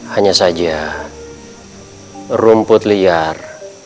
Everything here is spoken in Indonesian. hanya saja rumput liar